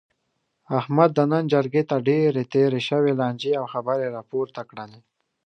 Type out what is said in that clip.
احمد د نن جرګې ته ډېرې تېرې شوې لانجې او خبرې را پورته کړلې.